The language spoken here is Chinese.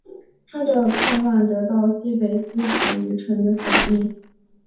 他的叛乱得到西北四十余城的响应。